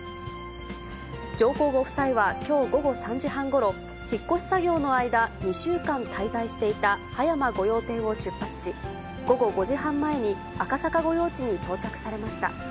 上皇ご夫妻は、きょう午後３時半ごろ、引っ越し作業の間、２週間滞在していた葉山御用邸を出発し、午後５時半前に赤坂御用地に到着されました。